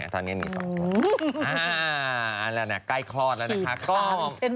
ตอนนี้มี๒คนอันนั้นใกล้คลอดแล้วนะคะ